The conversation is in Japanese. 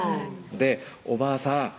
「おばあさん